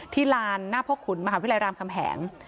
ลานหน้าพ่อขุนมหาวิทยาลัยรามคำแหง